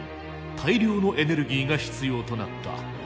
大量のエネルギーが必要となった。